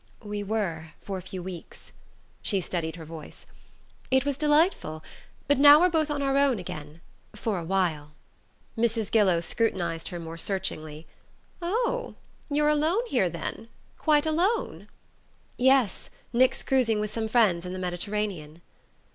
"We were, for a few weeks." She steadied her voice. "It was delightful. But now we're both on our own again for a while." Mrs. Gillow scrutinized her more searchingly. "Oh, you're alone here, then; quite alone?" "Yes: Nick's cruising with some friends in the Mediterranean."